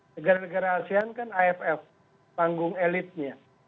negara negara asean kan aff panggung elitnya